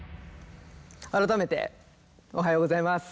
改めておはようございます。